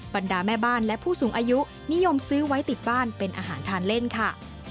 บรรดาแม่บ้านและผู้สูงอายุนิยมซื้อไว้ติดบ้านเป็นอาหารทานเล่นค่ะ